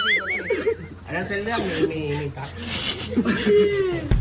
อันนั้นเส้นเลือกมีกับ